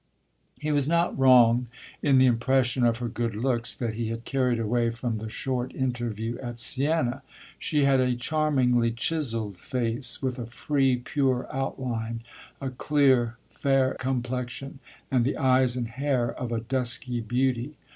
He was not wrong in the impression of her good looks that he had carried away from the short interview at Siena. She had a charmingly chiselled face, with a free, pure outline, a clear, fair complexion, and the eyes and hair of a dusky beauty.